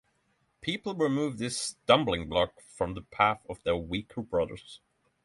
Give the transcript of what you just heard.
People remove this stumbling-block from the path of their weaker brothers.